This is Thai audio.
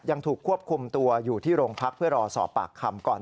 ยังถูกควบคุมตัวอยู่ที่โรงพักเพื่อรอสอบปากคำก่อน